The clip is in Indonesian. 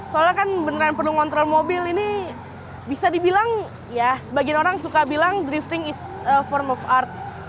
soalnya kan beneran perlu ngontrol mobil ini bisa dibilang ya sebagian orang suka bilang drifting is form of art